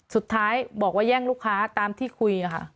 สุดท้ายบอกว่าแย่งลูกค้าตามที่คุยค่ะ